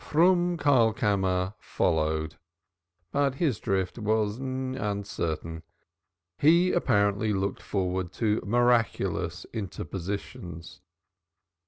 Froom Karlkammer followed, but his drift was uncertain. He apparently looked forward to miraculous interpositions.